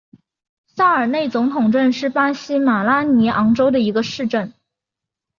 萨尔内总统镇是巴西马拉尼昂州的一个市镇。